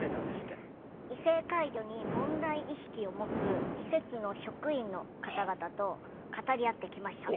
異性介助に問題意識を持つ施設の職員の方々と語り合ってきました。